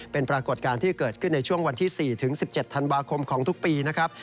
เป็นปรากฏการณ์ที่เกิดขึ้นในช่วงวันที่๔๑๗ธันวาคมของทุกปีนะครับ